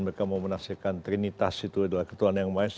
mereka mau menafsirkan trinitas itu adalah ketuhanan yang maha esa